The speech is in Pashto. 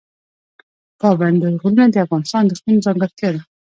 پابندی غرونه د افغانستان د اقلیم ځانګړتیا ده.